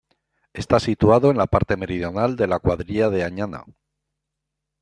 Está situado en la parte meridional de la cuadrilla de Añana.